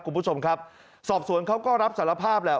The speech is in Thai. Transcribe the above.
คุณผู้ชมครับสอบสวนเขาก็รับสารภาพแหละ